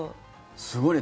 すごいね。